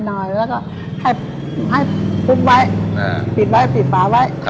แล้วก็ให้ปุ๊บไว้ปิดไว้ปิดปลาไว้